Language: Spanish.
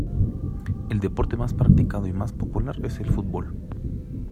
El deporte más practicado y más popular es el fútbol.